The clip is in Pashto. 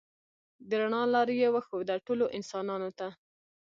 د رڼا لاره یې وښوده ټولو انسانانو ته.